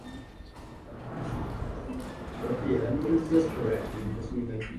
She was named for American senator Thomas Hart Benton.